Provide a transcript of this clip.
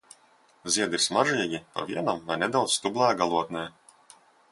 Ziedi ir smaržīgi, pa vienam vai nedaudzi stublāja galotnē.